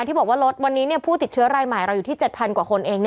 ที่บอกว่าลดวันนี้ผู้ติดเชื้อรายใหม่เราอยู่ที่๗๐๐กว่าคนเอง